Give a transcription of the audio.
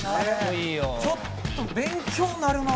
「ちょっと勉強になるなあ」